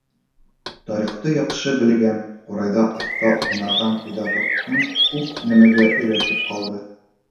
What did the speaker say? Тарихты яҡшы белгән, ҡурайҙа оҫта уйнаған педагогтан күп нәмәгә өйрәнеп ҡалдыҡ.